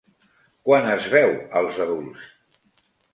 Quan es veu als adults?